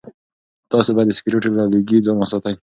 تاسي باید د سګرټو له لوګي ځان وساتئ.